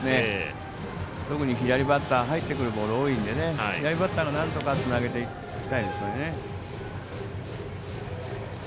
特に左バッター入ってくるボール多いので左バッターのなんとかつなげていきたいですよね。